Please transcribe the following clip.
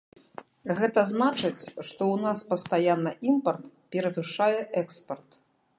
Гэта значыць, што ў нас пастаянна імпарт перавышае экспарт.